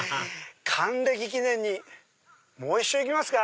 還暦記念にもう１周いきますか！